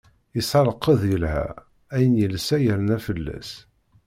Yesɛa lqedd yelha, ayen yelsa yerna fell-as.